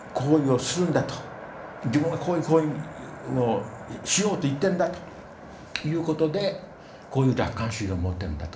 自分はこういう行為をしようと言ってるんだということでこういう楽観主義を持ってるんだと。